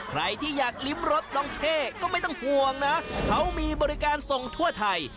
ใครที่อยากลิ้มรถน้องเช่ก็ไม่ต้องห่วงนะเขามีบริการส่งทั่วไทย